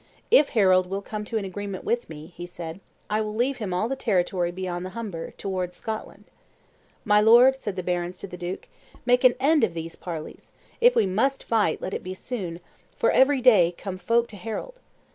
"If Harold will come to an agreement with me," he said, "I will leave him all the territory beyond the Humber, towards Scotland." "My lord," said the barons to the duke, "make an end of these parleys; if we must fight, let it be soon; for every day come folk to Harold."